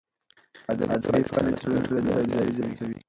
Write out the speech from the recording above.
ادبي فعالیتونه د ټولني بیداري زیاتوي.